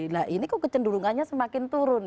nah ini kok kecenderungannya semakin turun